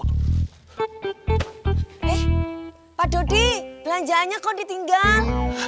eh pak dodi belanjaannya kok ditinggal